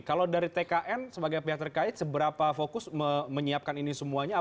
kalau dari tkn sebagai pihak terkait seberapa fokus menyiapkan ini semuanya